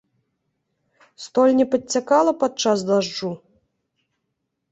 Столь не падцякала падчас дажджу?